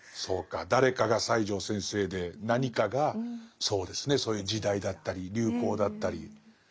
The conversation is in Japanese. そうか「誰か」が西條先生で「何か」がそうですねそういう時代だったり流行だったり。